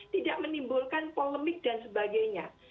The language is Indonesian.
tidak menimbulkan polemik dan sebagainya